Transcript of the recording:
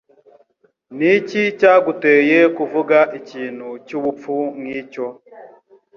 Niki cyaguteye kuvuga ikintu cyubupfu nkicyo?